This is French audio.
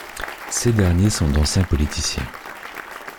Ces derniers sont d'anciens politiciens.